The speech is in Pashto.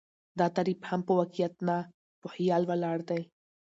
دا تعريف هم په واقعيت نه، په خيال ولاړ دى